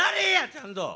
ちゃんと。